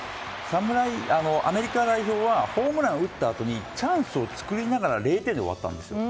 アメリカ代表はホームランを打ったあとにチャンスを作りながら０点で終わったんです。